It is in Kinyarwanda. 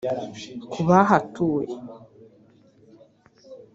Ku bahatuye